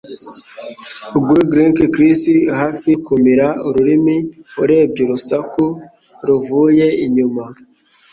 gurgleink Chris hafi kumira ururimi, urebye urusaku ruvuye inyuma.